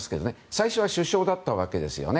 最初は首相だったわけですよね。